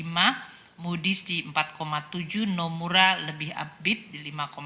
moody s di empat tujuh nomura lebih upbeat di lima tiga